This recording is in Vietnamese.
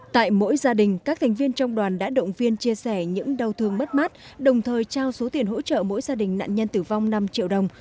tại mỗi gia đình các thành viên trong đoàn đã động viên chia sẻ những đau thương mất mát đồng thời trao số tiền hỗ trợ mỗi gia đình nạn nhân tử vong năm triệu đồng